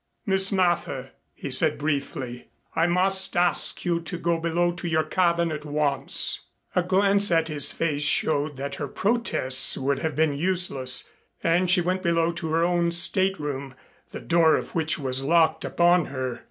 "Miss Mather," he said briefly, "I must ask you to go below to your cabin at once." A glance at his face showed that her protests would have been useless and she went below to her own stateroom, the door of which was locked upon her.